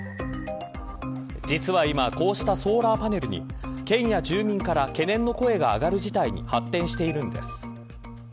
実は今こうしたソーラーパネルに県や住民から懸念の声が上がる事態に発展しているんです。